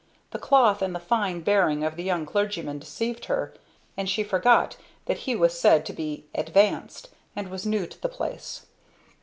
The cloth and the fine bearing of the young clergyman deceived her; and she forgot that he was said to be "advanced" and was new to the place.